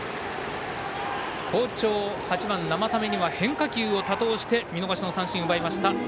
好調、８番生田目には変化球を多投して見逃し三振を奪いました。